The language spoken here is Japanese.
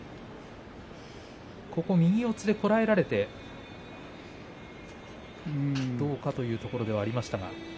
右四つでこらえられてどうかというところではありましたけど。